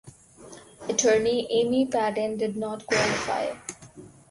Attorney Amy Padden did not qualify.